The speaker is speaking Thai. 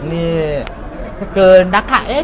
นี่อันนี้ฐานคริสต์วันนี้